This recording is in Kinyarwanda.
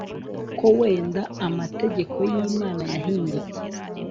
ko wenda amategeko y'imana yahindutse